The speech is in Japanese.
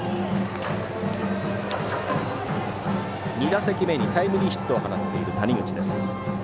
２打席目にタイムリーヒットを放っている谷口。